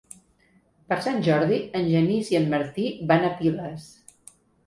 Per Sant Jordi en Genís i en Martí van a Piles.